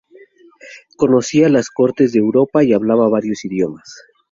Conocía las cortes de Europa y hablaba varios idiomas.